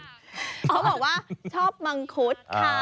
เขาบอกว่าชอบมังคุดค่ะ